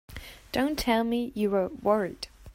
Don't tell me you were worried!